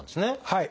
はい。